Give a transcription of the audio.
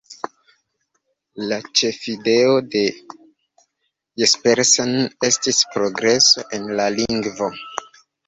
La ĉefideo de Jespersen estis progreso en la lingvo.